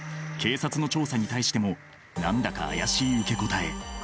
警察の調査に対しても何だか怪しい受け答え。